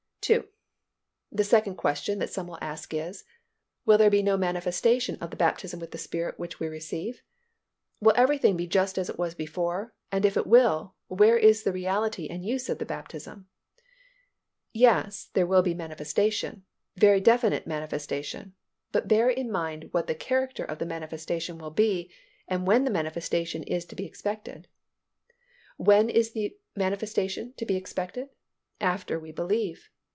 2. The second question that some will ask is, "Will there be no manifestation of the baptism with the Spirit which we receive? Will everything be just as it was before, and if it will, where is the reality and use of the baptism?" Yes, there will be manifestation, very definite manifestation, but bear in mind what the character of the manifestation will be, and when the manifestation is to be expected. When is the manifestation to be expected? After we believe.